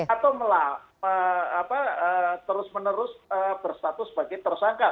atau terus menerus berstatus sebagai tersangka